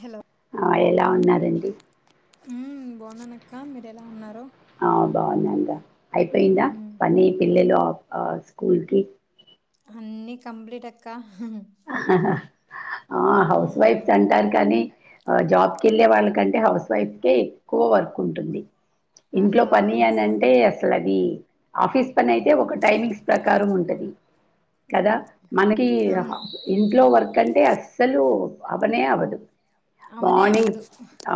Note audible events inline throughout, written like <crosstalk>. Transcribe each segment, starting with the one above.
Hello అ ఎలా ఉన్నారండి ఉమ్ బాగున్నానక్క మీరు ఎలా ఉన్నారుా ఆ బాగున్నాన్ రా అయిపోయిందా ఉమ్ పని పిల్లలు ఆ స్కూల్కి అన్నిీ కంప్లీట్ అక్క ఆ హౌస్ వైఫ్స్ అంటారు కానీ జాబ్ కిెళ్ళే వాళ్ళకంటే హౌస్ వైఫ్ కే ఎక్కువ వర్క్ ఉంటుంది ఇంట్లో ఆహా పని అవును అని అంటే అసలద్ ది ఆఫీస్ పని అయితే ఒక టైమింగ్స్ ప్రకారం ఉంటది కదా ఉమ్, మనకి అవును ఇంట్లో వర్క్ అంటే అస్సలు అవ్వనే అవ్వదు అవునే మార్నింగ్ అవదు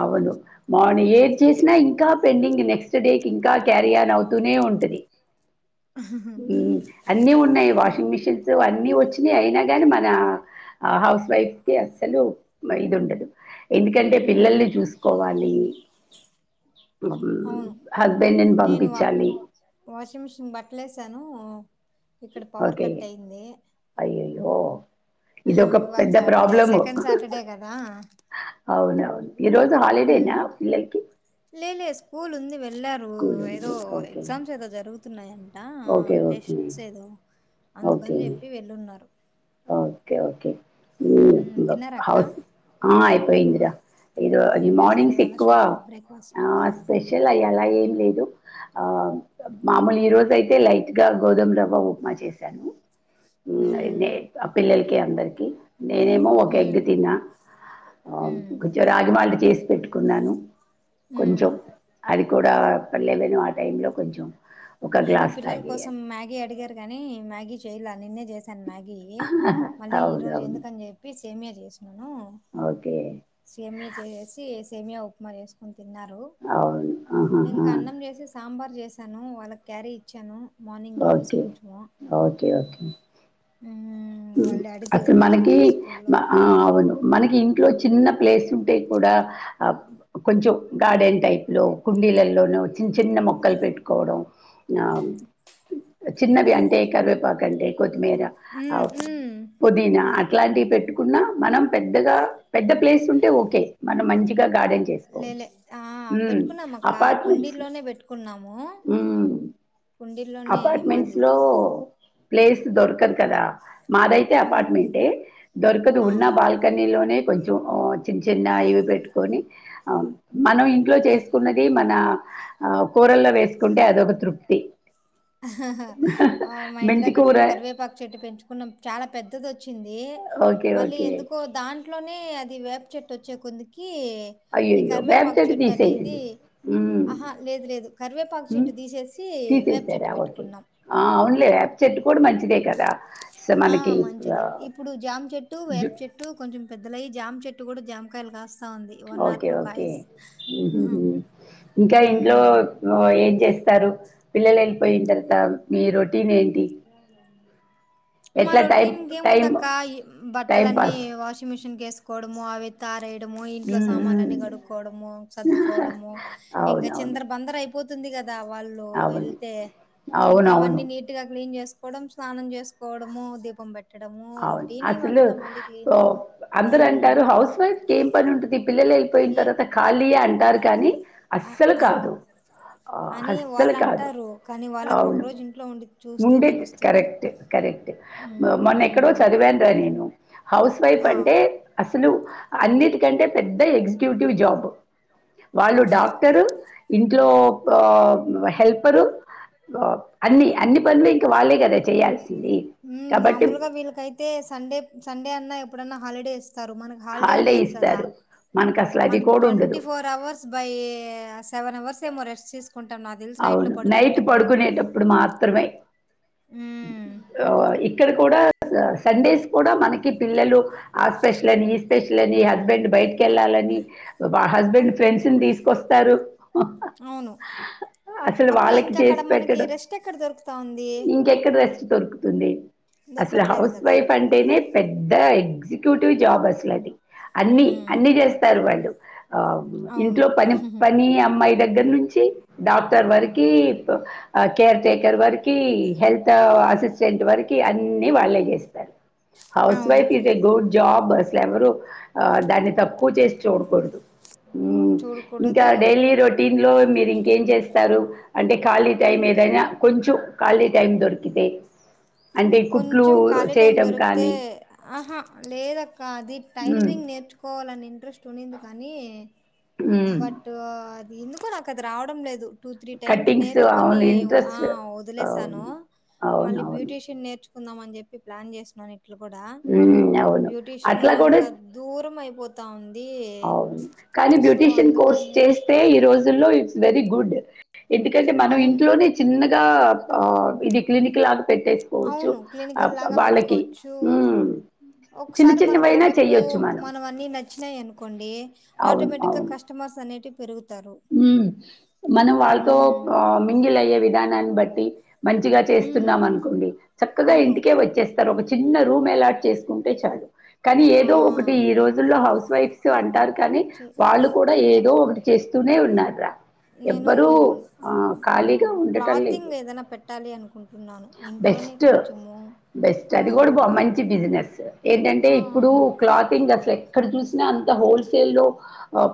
అవును మార్నింగ్ ఏది చేసినా ఇంకా పెండింగ్ నెక్స్ట్ డే ఇంకా క్యారియన్ అవుతూనే ఉంటది హుమ్ అన్నిీ ఉన్నాయి ఉమ్ వాషింగ్ మిషిన్స్ అన్నిీ వచ్ అయినా గాని మన హౌస్ వైఫ్ కి అసలు ఇది ఉండదు ఎందుకంటే పిల్లల్ని ఉమ్, చూసుకోవాలి అవును హస్బెండ్ని నేను వా పంపించాలి నేను ఇక్కడ పవర్ కట్ అయింది ఓ ఇవాళ సాటర్డే సెకండ్ సాటర్డే కదా అవునవును ఈ రోజు హాలిడేనా ఉమ్ పిల్లకి వెళ్లారు ఏదో ఎగ్జామ్స్ ఏదో జరుగుతున్నాయం టా ఓకే ఓకే టెస్ట్స్ ఏదో అందుకని ఓకే చెప్పి వెళ్ళున్నారు ఓకే ఓకే ఉమ్, హుమ్ తిన్నారా అక్క హౌస్ ఆ అయిపోఇంది రా ఇదో అది ఏం చేశారు మార్నింగ్స్ ఇవాళ ఎక్కువ స్పెషల్ బ్రేక్ఫాస్ట్ ఆ స్పెషల్ అవి అలా ఏం లేదు ఆ మామూలు ఈ రోజైతే లైట్ గా గోధుమ రవ్వ ఉప్మా చేశాను హుమ్ ఉమ్, <unintelligible> ఆ పిల్లలకి అందరికి నేనేమో ఒక ఎగ్ ఉమ్, తిన్నా ఉమ్, కొంచెం రాగిమాళ్ళ చేసి పెట్టుకున్నాను ఉమ్. కొంచెం అది కూడా ప లెవెను ఆ టైం లో కొంచెం ఒక నేను గ్లాస్ పిల్లల కోసం తాగేయాలి మ్యాగీ అడిగారు గాని మ్యాగీ చెయ్యాల నిన్నే చేసాను మ్యాగీ మళ్ళీ ఈ అవును రోజు అవును ఎందుకని చెప్పి సేమ్యా చేస్ ఓకే సేమ్య చేసేసి సేమ్య ఉప్మా చేసుకుం తిన్నారు అవును ఆహాహా. ఇంకా అన్నం చేసి సాంబార్ చేసాను వాళ్ళకి క్యారీ ఇచ్చాను మార్నింగ్ ఈరోజు ఓకే కొంచము హుమ్ హుమ్ అసలు మనకి మ ఆ అవును మనకి ఇంట్లో చిన్ చిన్న ప్లేస్ ఉంటే కూడా ఆ కొంచెం గార్డెన్ టైప్ లో కుండీలలోనే చ్చిన్ చ్ చిన్న మొక్కలు పెట్టుకోవడం ఆ చిన్నవి అంటే కరివేపాక్ అంటే కొత్తిమీర మ్ ఆహ్, హు మ్ పుదీనా అట్లాంటివి పెట్టుకున్నా మనం పెద్దగా పెద్ద ప్లేస్ ఉంటే ఓకే మనం మంచిగా గార్డెన్ చేసుకోవచ్చు హుమ్ మొక్క ఆ కుండ్డిల్లోనే పెట్టుకున్నాము హ్మ్. కుండీల్లోనే అపార్ట్మెంట్స్ మాది లో ప్లేస్ దొరక కదా మాదైతే అవును అపార్ట్మెంటే దొరకదు ఉన్న ఆ బాల్కనీలోనే కొంచెం చిన్న చిన్న ఇవి పెట్టుకొని మనం ఇంట్లో చేసుకున్నది మన ఆ కూరల్లో వేసుకుంటే అదొక తృప్తి ఆ ఆ మా ఇంటి మెంతి దగ్గర కూర కూడా కరివేపాకు చెట్టు పెంచుకున్నాం చాలా పెద్దది వచ్చ వచ్చింది ఓకే మళ్ళీ ఓకే ఎందుకో దాంట్లోనే అది వేబ్ చెట్ వచ్చే కొకి అయ్యో అయ్యో బ్యాగ చెట్ తీసేయండి ఉమ్ ఆహా లేదు లేదు కరివేపాకు చెట్టు తీసేసి వేప క చెట్టు పెట్టుకున్నాం. అనులే అ చెెట్ ఆ ఆ, మంచిది ఇప్పుడు జాం చెట్టు జు వేపు చెట్టు కొంచెం పెద్దలవి జామ్ చెట్టు ఇట్టు కూడా జామ్కాయల్ కాస్ ఓకే ఓకే ఇంకా ఇంట్లో హ్మ్. ఏం చేస్త స్తారు పిల్లలు వెళ్ళిపోయిన తర్వాత మీ రొటీన్ ఏంటి మా ఎట్లా టైం రొటీన్ టైం ఏముందక్క ఈ టైం బట్టలన్నీ పాస్ వాషింగ్ మిషిన్ వేసుకోవడము అవి తారేయడము, ఇంట్లో మ్మ్, సామాన్లు మ్మ్. అన్ని గడుక్కోవడము సర్దుకోవడము ఇంకా అవునవును చిందర బందర అయిపోతే తుంది కదా వాళ్ళు అవును వెళ్తే ఇంకా అవునవును అవన్నీ నీట్ గా చేసుకోవడం స్నానం చేసుకోవడము దీపం బట్టి అవును అసలు అందరు హ్మ్. అంటారు హౌస్ వైఫ్ క ఏం పని ఉంటది పిల్లలు అయిపోయిన ఏ తర్వాత ఖాళీయ అంటారు కానీ అ అస్సలు అన్ కాదు ఆ అని హస్సలు కాదు వాళ్ళంటారు. కానీ వాళ్ళకి అవును ఒకరోజు ఇంట్లో ఉండి చూస్తే ముండేది తెలుస్తుంది. కరెక్ట్ కర హ్మ్. మొన్న ఎక్కడో హ్మ్. చదివాను రా నేను హౌస్ వైఫ్ ఆ! అంటే అసలు అన్నిటికంటే పెద్ద ఎగ్జిక్యూటివ్ జాబ్ వాళ్ళు అవును. డాక్టరు ఇంట్లో హెల్పరు అన్ని అన్ని పనులు ఇంకా వాళ్ళే కదా చేయల్సి మామూలుగా వీళ్ళకైతే సండే సండే అన్నా ఎప్పుడన్నా హాలిడేస్ మ హాలిడే హిడే కదా ఇస్తారు మనకు అసలు మ అది కూడా ట్ ఉండదు ఫో అవర్ బ సెవెన్వర్స్ ఏమో రెస్ట్ చేసు అవును నైట్ పడుకునేటప్పుడు మాత్రమే ఇక్కడ కూడా సండేస్ కూడా మనకి పిల్లలు ఆ స్పెషల్ అని ఈ స్పెషల్ అని హస్బెండ్ బయటికి ఆ వెళ్ళాలని మా హస్బెండ్ అన్ ఫ్రెండ్స్ ని తీసుకొస్తారు అవును అసలు అప్పుడు వాళ్ళకి ఇంకా అక్కడ చేసి మనకి పెట్టడం రెస్ట్ ఎక్కడ దొరుకుతుంది ఇంకెక్కడ రెస్ట్ దొరుకుతుంది అసలు దొరకట్లేదు హౌస్ కదా వైఫ్ అంటేనే పెద్ద ఎగ్జి టివ్ జాబ్ అస్లు అది అన్ని ఉమ్ అన్ని చేస్తారు వాళ్ళు అవును ఇంట్లో పని పని అమ్మాయి దగ్గర నుంచి డాక్టర్ వరకి కేర్ టేకర్ వరకి హెల్త్ అసిస్టెంట్ వరకి అన్నిీ వాళ్ళే చేస్తారు హౌస్ అవును wife is a good job అలు ఎవరు దాన్ని తక్కువ చేసి చూడకూడదు ఇంకా చూడకూడదు డైలీ రొటీన్ లో మీరు ఇంకా ఏం చేస్తారు అంటే ఖాళీ టైం ఇంకా ఏదైనా కొంచెం ఖాళీ టైం దొరికితే అంటే కుట్లు కొంచెం ఖాళీ టైం చేయటం దొరికితే కానీ ఆహా లేదక్క అది మ్మ్. టైలరింగ్ నేర్చుకో పోలనిండి ఇంట్రెస్ట్ ఉన్నింది కానీ మ్మ్. బట్ అది ఎందుకో నాకు అది రావడం లేదు టూ త్రీ టైమ్స్ కట్టింగ్స్ నేర్చుకొని అవును ఆ ఇంట్రెస్ట్ అవును వదిలేశాను మళ్ళీ అవునవును బ్యూటీషియన్ నేర్చ కుందాంని చెప్పి ప్లాన్ చేస్తున్నాను ఇట్లు కూడా మ్మ్, ఆ అవును బ్యూటీషిన్ అట్లా కూడా ఇంకా దూరం అయిపో పోతా ఉంది అవును కానీ సో బ్యూటీషియన్ కోర్స్ అందుకని చెప్పి- చేస్తే ఈ రోజుల్లో ఇట్స్ వెరీ గుడ్ ఎందుకంటే మనం అవును ఇంట్లోనే చిన్నగా ఇది క్లినికల్ ఆ పెట్టేసుకోవచ్చు అవును. ఆ క్లినికల్‌లాగా వాళ్ళకి పెట్టుకోవచ్చు. హ ఒకసారి మన ప్రొడక్ట్ మనం. మన అన్నీ నచ్చినాయ అను కోండి అవును. ఆటోమేటిక్ గా అవును. కస్టమర్స్ అనేటి హ్మ్ మనం వాళ్ళతో హ్మ్. ఆ మింగిలియ్యే విధానాన్ని బట్టి మంచిగా హ్మ్. చేస్తున్నాం అనుకోండి చక్కగా అవును. ఇంటికే వచ్చేస్తారు ఒక చిన్న రూమ్ ఎలాట్ చేసుకుం టే చాలు కానీ ఆ! ఏదో ఒకటి ఈ రోజుల్లో హౌస్ వైఫ్స్ అంటారు కానీ చె వాళ్ళు కూడా ఏదో చేయాలక్క. ఒకటి చేస్తూనే ఉన్నారు రా నేను హ్మ్ మ్మ్ ఉండటం లేదు. క్లాతింగ్ ఏదైనా పెట్టాలి అనుకుంటున్నాను ఇంట్లో నే బెస్ట్. కొంచము బెస్ట్ అది కూడా మంచి బిజినెస్ ఏంటంటే ఇప్పుడు ఆ! క్లాతింగ్ అసలు ఎక్కడ చూసినా అ హోల్ సేల్ లో ఆ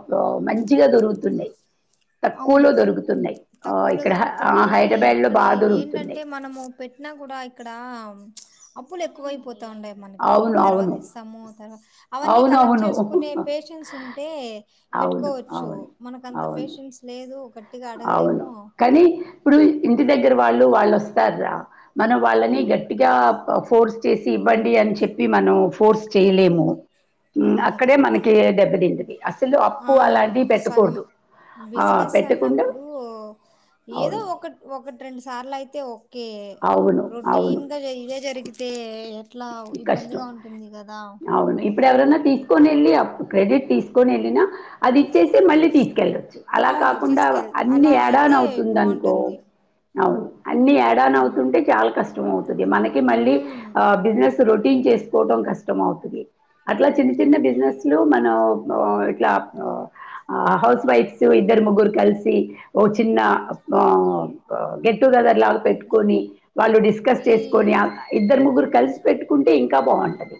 మంచిగా దొరుకుతున్నాయి అవును తక్కువలో దొరుకుతున్నాయి ఆ తక్కువలో ఇక్కడ ఆ దొరుకుతున్నాయి హైదరాబాద్ లో బా దొరుకుతున్నాయి అయినా కూడా ఇక్కడ అప్పులు ఎక్కువైపోత ఉన్నాయి మనకి అవును తర్వాత అవును ఇస్తాము తర్వా అవన్నీ అవును కలెక్ట్ అవును చేసుకునే అవును పేషెన్స్ ఉంటే అవును పెట్టుకోవచ్చు మనకంత అవును పేషెన్స్ లేదు గట్టిగా అవును అడగలేము కానీ ఇప్పుడు ఇంటి దగ్గర వాళ్ళు వాళ్ళు వస్తార్ రా మనం వాళ్ళని ఉమ్ గట్టిగా ఫోర్స్ చేసి ఇవ్వండి అని చెప్పి మనం ఫోర్స్ చేయలేము మ్ అవును అక్కడే మనకి దెబ్బ తింటది అసలు అప్పు ఆ అలాంటివి సగం పెట్టకూడదు ఆ, బిజినెస్ పెట్టకుండా అన్నప్పుడు ఏదో అవును ఒకటి ఒకటి రెండు సార్లు అయితే ఓక్ ఓకే అవును అవును రొటీన్ గా ఇవే జరిగితే ఏట్లా కష్టం ఇబ్బందిగా ఉంటుంది కదా అవును ఇప్పుడు ఎవరన్నా తీసుకొని వెళ్ళి క్రెడిట్ తీసుకొని వెళ్ళినా అది ఇచ్చేసి మళ్ళీ తీసుకెళ్ళచ్చు అలా అవును కాకుండా తీసుకెళ్ అన్ని అలా అయితే యాడాన్ అవుతుందనుకో బాగుంటుంది అవును అన్ని యాడా ఆన్ ఉమ్ అవుతుంటే చాలా కష్టం అవుతుంది మనకి మళ్ళీ ఉమ్, ఆ ప్లస్ రొటిన్ చేసుకోవడం కష్టం అవ్తది అట్లా చిన్న చిన్న అవును బిసినెస్లు మనక్ <unintelligible> ఇట్లా ఆ హౌస్ వైఫ్స్ ఇద్దరు ముగ్గురు కలిసి ఓ చిన్న ఆ గెట్టుగేదర్ లా పెట్టుకొని వాళ్ళు డిస్కస్ ఈ చేసుకొని ఇద్దరు ముగ్గురు కలిసి అంటే ఇంకా బాగుంటది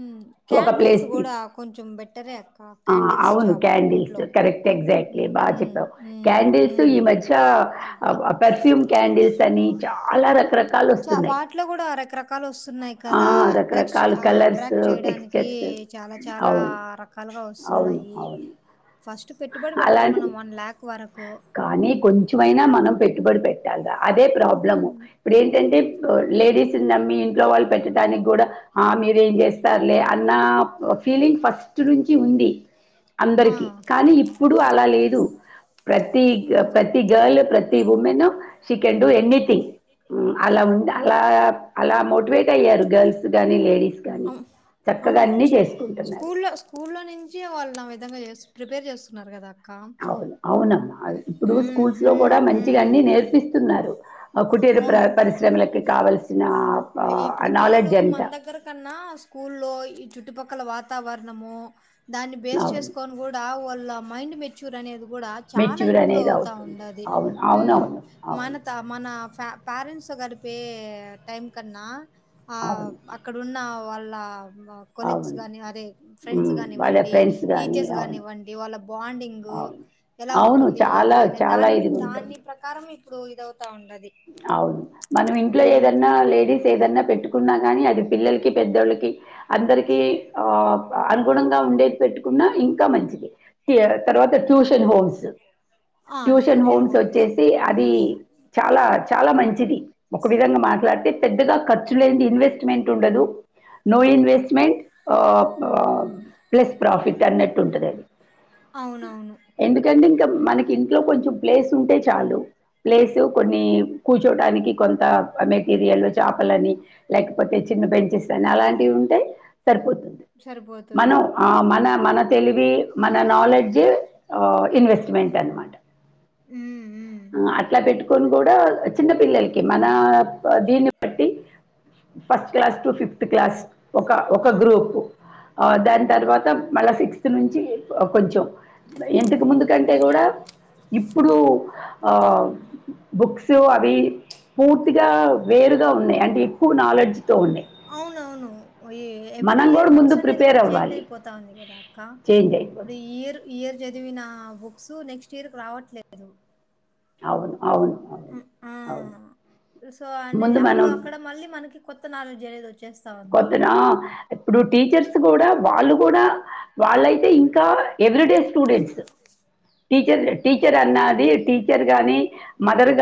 మ్ క్యాండిల్స్ కూడా కొంచెం బెటరే అక్క క్యాడిల్స్ జాప్ ఇంట్లో ఎస్ ఎగ్జాక్ట్లీ ఉమ్ బాగా ఉమ్ చెప్పావు ఉమ్ క్యాండిల్స్ ఈ ఉమ్ మధ్య పెర్ఫ్యూమ్ క్యాండిల్స్ అని చాలా రక్రక్ చ వాటిలో కూడా రకరకాలు వస్తున్నాయి ఆ! కదా అట్రాక్స్ రకరకాల కలర్స్, అట్రాక్ట్ చేయడానికి టెక్స్చర్స్ చాలా చాలా అవును. రకాలుగా అవును. వస్తున్నాయి యీ అవును. ఫస్ట్ పెట్టుబడి పెట్టాలి అలాంటివి మనము వన్ లాక్ వర్ కానీ కొంచెమైనా మనం పెట్టుబడి పెట్టాలి రా అదే ప్రాబ్లము ఇదేంటంటే లేడీస్ నమ్మి ఇంట్లో వాళ్ళు పెట్టడానికి కూడా ఆ మీరేం చేస్తారులే అన్న ఫీలింగ్ ఫస్ట్ నుంచి ఉంది ఆ అందరికి కానీ ఇప్పుడు అలా లేదు ప్రతి ప్రతి గర్ల్ ప్రతి woman she can do anything అలా ఉంది అలా అలా మోటివేట్ అయ్యారు గర్ల్స్ గానీ లేడి అవు అవును చిన్న స్కూల్లో స్కూల్లో నుంచి వాళ్ళు నా విధంగా చేసు ప్రిపేర్ చేస్తున్నారు కదా అవును అవునమ్మ ఇప్పుడు ఉమ్, స్కూల్స్ లో కూడా ఉమ్, మంచిగా ఉమ్. అన్ని నేర్పిస్తున్నారు కుటి ర అవును పరిశ్రమలకు కావాల్సి ఇప్పుడు పిల్లలు మన దగ్గర కన్నా స్కూల్లో ఈ చు చుట్టుపక్కల వాతావరణము దాన్ని బేస్ అవును. చేసుకొని కూడా వాళ్ళ మైండ్ మెచ్యూర్ అనేది కూడా చాలా మెచ్యూర్ ఇంప్రూవ్ అనేది అవుతా అవుతుంది. ఉండాది అవును. అవునవును. మన అవును. త మన ప పేరెంట్స్ గడిపే టైం కన్నా ఆ అవును. అక్కడ ఉన్న వా లా కొలీగ్స్ అవును. గాని అరే ఫ్రెండ్స్ హ్మ్. వాళ్ళ గానివ్వండి ఫ్రెండ్స్ గాని టీచర్స్ అవును. కానివ్వండి వాళ్ళ బాండ్ డింగు అవును. ఎలా అవును. ఉంటుంది ఏంది చాలా అనే చాలా దాని మీ ఇదిగుంటది. దాని ప్రకారమే ఇప్పుడు ఇద అవును మనం ఇంట్లో హ్మ్. ఏదన్నా లేడీస్ ఏదన్నా పెట్టు న్నా కాని అది పిల్లలకి పెద్దోళ్ళకి అందరికి ఆ అనుగుణంగా ఉండేది పెట్టుకు ఇంకా మంచిది తర్వాత ట్యూషన్ హోమ్స్ ట్యూషన్ హోమ్స్ వచ్చేసి అది చాలా చాలా మంచిది ఒక విధంగా మాట్లాడితే పెద్దగా ఖర్చు లేని ఇన్వెస్ట్మెంట్ ఉండదు నో ఇన్వెస్ట్మెంట్ ప్లస్ ప్రాఫిట్ అన్నట్టు ఉంటుంది అంది అవునవును మనకి ఇంట్లో కొంచెం ప్లేస్ ఉంటే చాలు ప్లేస్ కొన్ని కూర్చోటనికి కొంత మెటీరియల్ చేపలని లేకపోతే చిన్న పెంచ అలాంటివి ఉంటయి సరిపోతుంది సరిపోతుంది. మనం మన మన తెలివి మన నాలెడ్జ్ ఇన్వెస్ట్మెంట్ అనమాట హ్మ్. హ్మ్. అట్లా పెట్టు కొ కూడా చిన్న పిల్లలకి మన చె దీన్ని బట్టి first class to fifth class ఒక ఒక ఆ! గ్రూప్ దాని తర్వాత మళ్ళీ సిక్స్త్ నుంచి కొంచెం ఇంతకు ముందు కంటే కూడా ఇప్పుడు బుక్స్ అవి పూర్తిగా వేరుగా ఉన్నాయి అంటే ఎక్కువ నాలెడ్జ్ తో ఉన్నాయి అవునవును ఈ ఎవ్రీ మనం ఇయర్ కూడా ముందు బుక్స్ అనేది ప్రిపేర్ కూడా చేంజ్ అవ్వాలి అయిపోతా ఉంది కదా అక్క చేంజ్ ఇప్పుడు అయిపోతుంది ఇయర్ ఇయర్ చదివిన బుక్స్ నెక్స్ట్ ఇయర్ రావట్లేదు అవును అవును అవును ఆ అవును సో అనే ముందు అప్పుడు మనం అక్కడ మళ్ళీ మనకి కొత్త నాలెడ్జ్ అనేది వచ్చు కొద్నా ఇప్పుడు టీచర్స్ కూడా వాళ్ళు కూడా వాళ్ళైతే ఇం కా ఎవ్రిడే స్టూడెంట్స్ టీచర్ టీచర్ అన్నది టీచర్ గానీ మదర్ గా